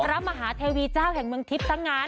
พระมหาเทวีเจ้าแห่งเมืองทิพย์ตั้งงาน